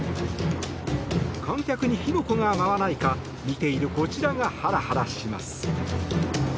観客に火の粉が舞わないか見ているこちらがハラハラします。